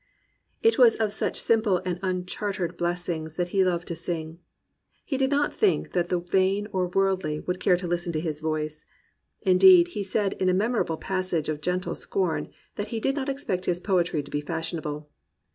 '* It was of such simple and unchartered blessings that he loved to sing. He did not think that the vain or the woridly would care to listen to his voice. Indeed he said in a memorable passage of gentle scorn that he did not expect his poetry to be fashionable.